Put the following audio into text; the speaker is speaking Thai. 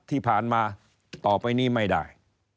ที่ผ่านมาต่อไปนี้ไม่ได้